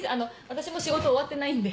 私も仕事終わってないんで。